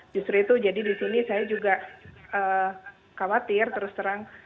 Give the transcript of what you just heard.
justru itu jadi di sini saya juga khawatir terus terang